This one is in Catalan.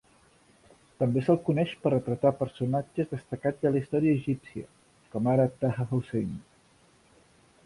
També se'l coneix per retratar personatges destacats de la història egípcia, com ara Taha Hussein.